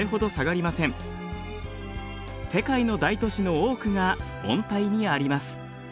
世界の大都市の多くが温帯にあります。